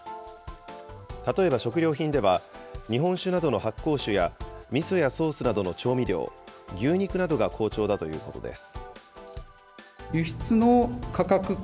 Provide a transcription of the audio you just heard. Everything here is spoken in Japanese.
例えば食料品では、日本酒などの発酵酒や、みそやソースなどの調味料、牛肉などが好調だということです。